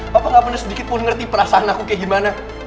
bapak gak pernah sedikit pun ngerti perasaan aku kayak gimana